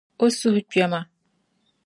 O suhu kpema.